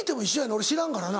俺知らんからな。